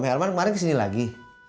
si omnya elman kemarin kesini lagi